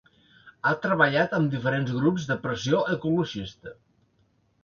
Ha treballat amb diferents grups de pressió ecologista.